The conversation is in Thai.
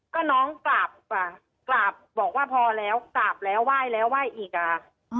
ก็น้องกราบค่ะกราบบอกว่าพอแล้วกราบแล้วไหว้แล้วไหว้อีกอ่ะ